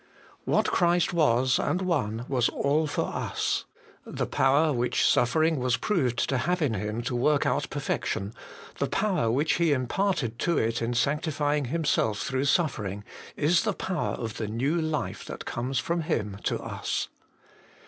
What Christ was and won was all for us. The power which suffering was proved to have in Him to work out perfection, the power which He im parted to it in sanctifying Himself through suffer ing, is the power of the new life that comes from Him to us.